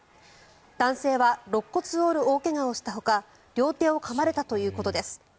男性はろっ骨を折る大怪我をしたほか両手をかまれたということです。